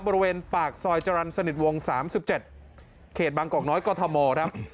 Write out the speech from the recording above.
บริเวณปากซอยจรรย์สนิทวง๓๗เขตบางกอกน้อยกรทมครับ